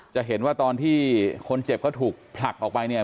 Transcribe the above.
จะเห็นว่าตอนที่คนเจ็บเขาถูกผลักออกไปเนี่ย